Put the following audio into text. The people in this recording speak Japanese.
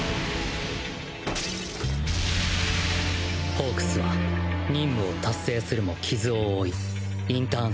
ホークスは任務を達成するも傷を負いインターン